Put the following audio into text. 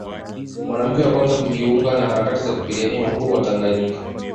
mwanamke wa kwanza kujiunga na harakati za kupigania Uhuru wa Tanganyika